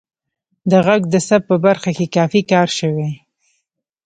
د غږ د ثبت په برخه کې کافی کار شوی